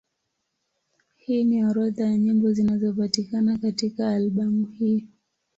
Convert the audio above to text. Hii ni orodha ya nyimbo zinazopatikana katika albamu hii.